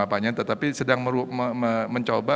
apanya tetapi sedang mencoba